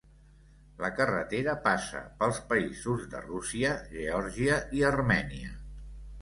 La carretera passa pels països de Rússia, Geòrgia i Armènia.